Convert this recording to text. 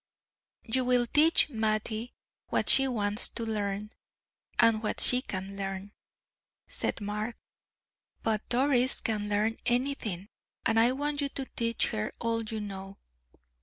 "You will teach Mattie what she wants to learn, and what she can learn," said Mark; "but Doris can learn anything, and I want you to teach her all you know."